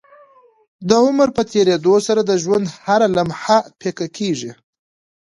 د عمر په تيريدو سره د ژوند هره لمحه پيکه کيږي